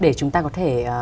để chúng ta có thể